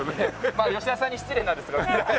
まあ吉田さんに失礼なんですが。